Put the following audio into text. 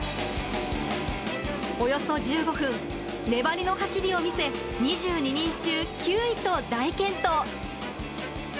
およそ１５分、粘りの走りを見せ、２２人中９位と大健闘。